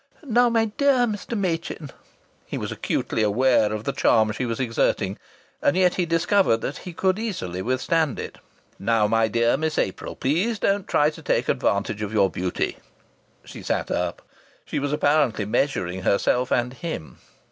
"Now, my dear Mr. Machin " He was acutely aware of the charm she was exerting, and yet he discovered that he could easily withstand it. "Now, my dear Miss April, please don't try to take advantage of your beauty!" She sat up. She was apparently measuring herself and him.